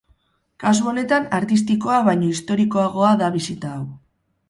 Kasu honetan, artistikoa baino historikoagoa da bisita hau.